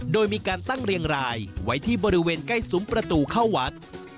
โดยมีการตั้งเรียงรายไว้ที่บริเวณใกล้ซุ้มประตูเข้าวัด